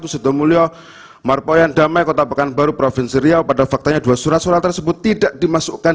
sido mulyo marpoian damai kota bekan baru provinsi riau pada faktanya dua surat suara tersebut tidak dimasukkan